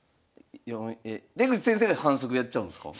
え出口先生が反則やっちゃうんですか？